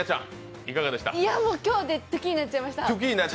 今日でトゥキになっちゃいました。